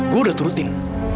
gue udah turutin